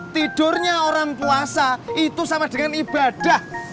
tidurnya orang puasa itu sama dengan ibadah